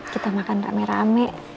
kita makan rame rame